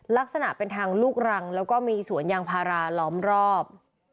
ลักษณะเป็นทางลูกรังแล้วก็มีสวนยางพาราล้อมรอบ